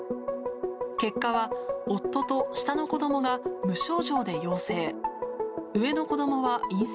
結果は夫と下の子どもが無症状で陽性。